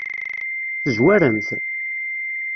Tezwarem-t?